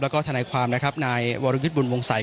แล้วก็ทนายความนะครับนายวรยุทธ์บุญวงศัย